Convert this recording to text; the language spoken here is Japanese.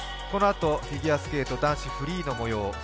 このあと、フィギュアスケート男子フリーのもよう。